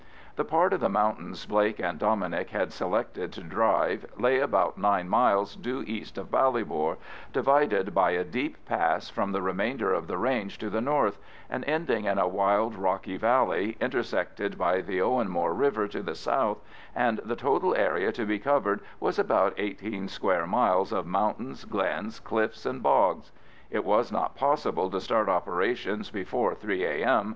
The part of the mountains Blake and Dominic had selected to drive lay about nine miles due east of Ballybor, divided by a deep pass from the remainder of the range to the north, and ending in a wild rocky valley intersected by the Owenmore river to the south, and the total area to be covered was about eighteen square miles of mountains, glens, cliffs, and bogs. It was not possible to start operations before 3 A.M.